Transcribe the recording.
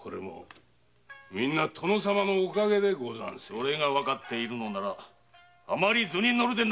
それがわかっているのならあまり図にのるでないぞ！